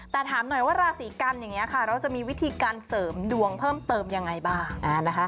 แต่ถามหน่อยว่าราศีกันอย่างนี้ค่ะเราจะมีวิธีการเสริมดวงเพิ่มเติมยังไงบ้าง